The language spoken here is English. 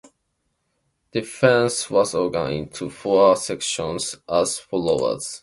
Defence was organized into four sections as follows.